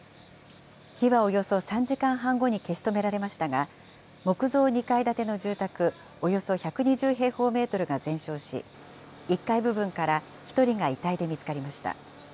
火はおよそ３時間半後に消し止められましたが、木造２階建ての住宅、およそ１２０平方メートルが全焼し、１階部分から１人が遺体で見つかりました。